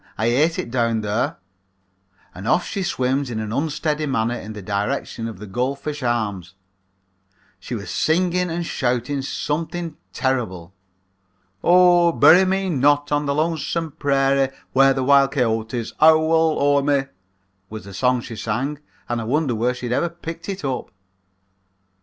I hate it down there.' And off she swims in an unsteady manner in the direction of the Gold Fish Arms. She was singing and shouting something terrible. "'Oh, bury me not on the lonesome prairie Where the wild coyotes howl o'er me,' was the song she sang and I wondered where she had ever picked it up.